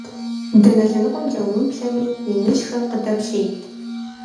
Дэнэ лъэныкъуэкӏэ умыплъэми, иныжьхэр къыдэпщейт.